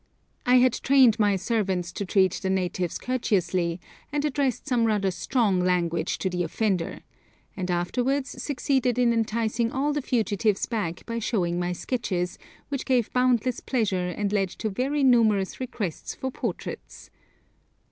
I had trained my servants to treat the natives courteously, and addressed some rather strong language to the offender, and afterwards succeeded in enticing all the fugitives back by showing my sketches, which gave boundless pleasure and led to very numerous requests for portraits!